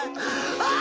ああ！